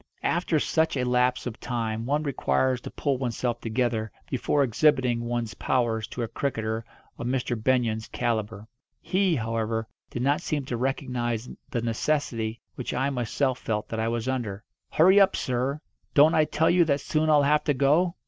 After such a lapse of time one requires to pull oneself together before exhibiting one's powers to a cricketer of Mr. Benyon's calibre. He, however, did not seem to recognise the necessity which I myself felt that I was under. "Hurry up, sir! Don't I tell you that soon I'll have to go?"